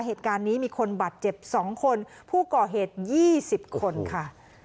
เหตุการณ์นี้มีคนบาดเจ็บ๒คนผู้ก่อเหตุ๒๐คนค่ะ